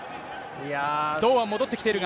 堂安、戻ってきているが。